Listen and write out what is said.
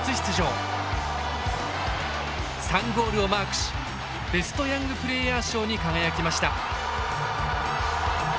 ３ゴールをマークしベストヤングプレーヤー賞に輝きました。